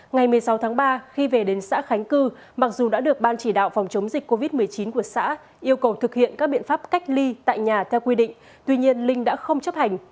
ngày một mươi sáu tháng ba khi về đến xã khánh cư mặc dù đã được ban chỉ đạo phòng chống dịch covid một mươi chín của xã yêu cầu thực hiện các biện pháp cách ly tại nhà theo quy định tuy nhiên linh đã không chấp hành